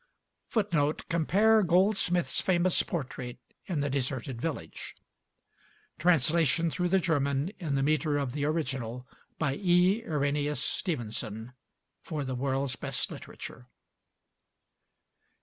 [Footnote 17: Compare Goldsmith's famous portrait in "The Deserted Village".] Translation through the German, in the meter of the original, by E. Irenætis Stevenson, for the "World's Best Literature".